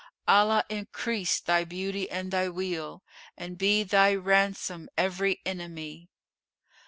Allah increase thy beauty and thy weal; * And be thy ransom every enemy!